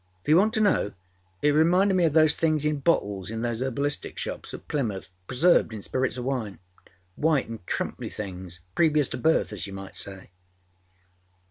If you want to know, it reminded me of those things in bottles in those herbalistic shops at Plymouthâpreserved in spirits of wine. White anâ crumply thingsâprevious to birth as you might say.